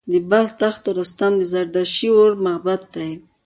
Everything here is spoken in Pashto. د بلخ تخت رستم د زردشتي اور معبد دی